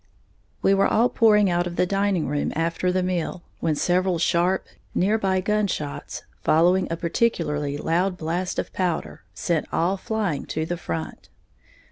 We were all pouring out of the dining room after the meal, when several sharp, near by gun shots, following a particularly loud blast of powder, sent all flying to the front.